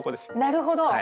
なるほど！